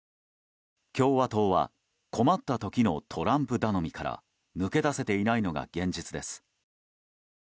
共和党は困った時のトランプ頼みから抜け出せていないのが現実です。